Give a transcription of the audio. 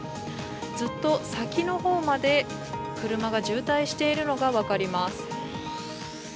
ずっと先のほうまで、車が渋滞しているのが分かります。